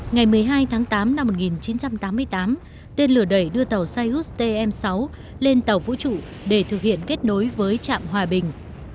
ngày một mươi hai tháng tám năm một nghìn chín trăm tám mươi tám tên lửa đẩy đưa tàu seoust sáu lên tàu vũ trụ để thực hiện kết nối với trạm hòa bình